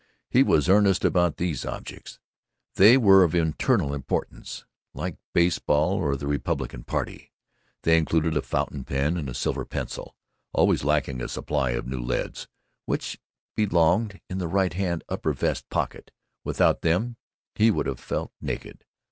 He was earnest about these objects. They were of eternal importance, like baseball or the Republican Party. They included a fountain pen and a silver pencil (always lacking a supply of new leads) which belonged in the righthand upper vest pocket. Without them he would have felt naked.